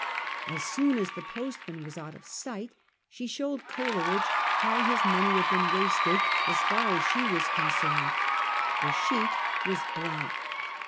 As soon as the postman was out of sight she showed Coleridge how his money had been wasted, as far as she was concerned. The sheet was blank.